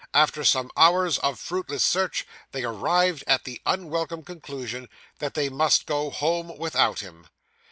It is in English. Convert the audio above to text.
After some hours of fruitless search, they arrived at the unwelcome conclusion that they must go home without him.